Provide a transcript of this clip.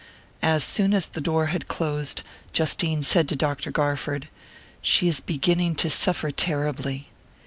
As soon as the door had closed, Justine said to Dr. Garford: "She is beginning to suffer terribly."